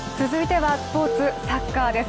続いては、スポーツ、サッカーです。